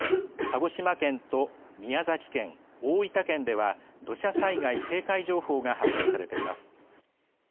鹿児島県と宮崎県、大分県では土砂災害警戒情報が発表されています。